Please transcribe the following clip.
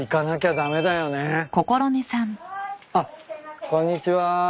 あっこんにちは。